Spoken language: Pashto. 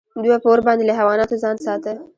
دوی به په اور باندې له حیواناتو ځان ساته.